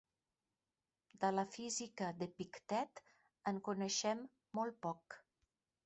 De la física d'Epictet, en coneixem molt poc.